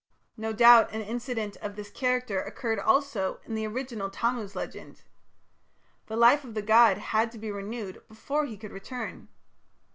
No doubt, an incident of this character occurred also in the original Tammuz legend. The life of the god had to be renewed before he could return.